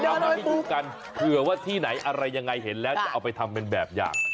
เอามาให้ดูกันเผื่อว่าที่ไหนอะไรยังไงเห็นแล้วจะเอาไปทำเป็นแบบอย่าง